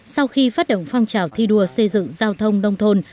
sau khi phát động phong trào thi đua xây dựng giao thông nông thôn